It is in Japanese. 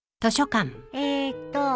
えーっと。